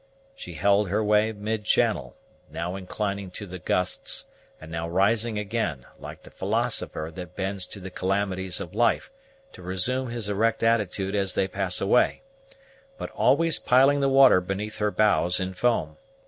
She held her way mid channel, now inclining to the gusts, and now rising again, like the philosopher that bends to the calamities of life to resume his erect attitude as they pass away, but always piling the water beneath her bows in foam.